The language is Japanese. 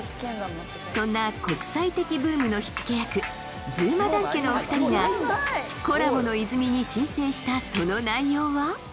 そんな国際的ブームの火付け役ずまだんけのお二人が「コラボの泉」に申請したその内容は？